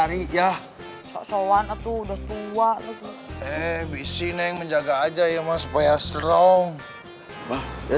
baik ya sowan atau udah tua lebih eh bisiknya yang menjaga aja ya mas playa strong mah ya